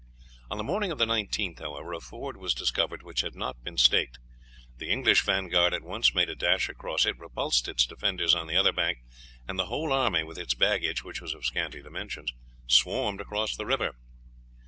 On the morning of the 19th, however, a ford was discovered which had not been staked. The English vanguard at once made a dash across it, repulsed its defenders on the other bank, and the whole army with its baggage, which was of scanty dimensions, swarmed across the river.